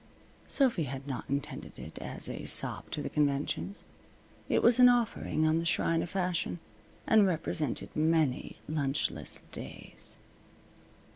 Sophy had not intended it as a sop to the conventions. It was an offering on the shrine of Fashion, and represented many lunchless days.